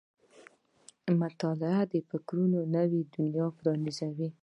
• مطالعه د فکرونو نوې دنیا پرانیزي.